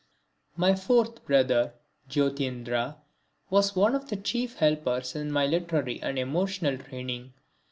My fourth brother Jyotirindra was one of the chief helpers in my literary and emotional training.